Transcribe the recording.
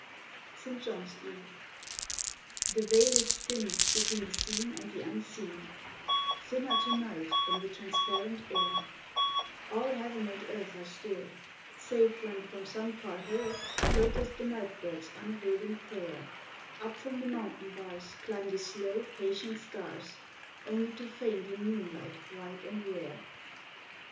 ST. JOHN'S EVE The veil is thin between The seen and the unseen — Thinner to night than the transparent air ; All heaven and earth are still, Save when from some far hill Floateth the nightbird's unavailing prayer ; Up from the mountain bars Climb the slow, patient stars, Only to faint in moonlight white and rare